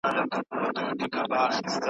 ولسي جرګه د اساسي قانون په رڼا کي کار کوي.